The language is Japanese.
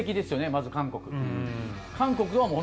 まず韓国。